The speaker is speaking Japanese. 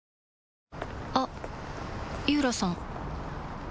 あっ井浦さん